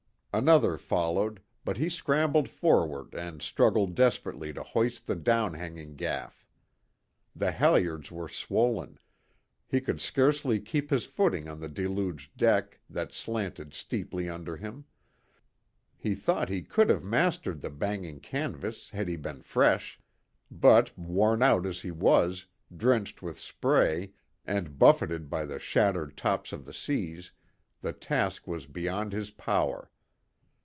Another followed, but he scrambled forward and struggled desperately to hoist the downhanging gaff. The halliards were swollen; he could scarcely keep his footing on the deluged deck that slanted steeply under him. He thought he could have mastered the banging canvas had he been fresh; but, worn out as he was, drenched with spray, and buffeted by the shattered tops of the seas, the task was beyond his power.